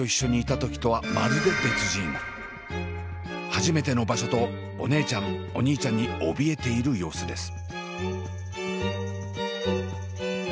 初めての場所とお姉ちゃんお兄ちゃんにおびえている様子です。